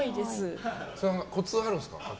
コツはあるんですか？